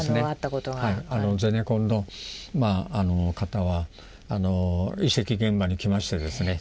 ゼネコンの方は遺跡現場に来ましてですね